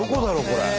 これ。